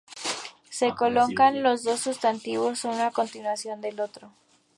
Se colocan los dos sustantivos, uno a continuación del otro.